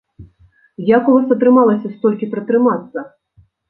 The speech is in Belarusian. Як у вас атрымалася столькі пратрымацца?